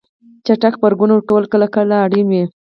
چټک غبرګون ورکول کله کله اړین وي.